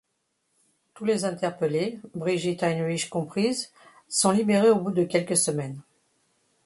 Tous les interpellés, Brigitte Heinrich comprise, sont libérés au bout de quelques semaines.